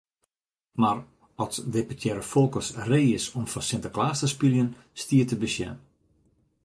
Mar oft deputearre Folkerts ree is om foar Sinteklaas te spyljen, stiet te besjen.